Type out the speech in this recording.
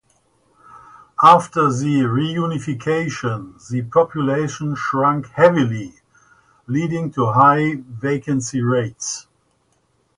After the reunification, the population shrunk heavily leading to high vacancy rates.